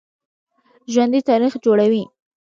ژوندي تاریخ جوړوي